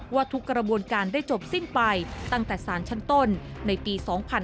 ว่าทุกกระบวนการได้จบสิ้นไปตั้งแต่สารชั้นต้นในปี๒๕๕๙